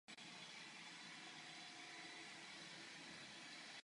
Teprve o dva roky později byl zatčen a vrátil se do psychiatrické léčebny.